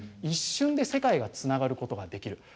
一瞬で世界がつながることができる。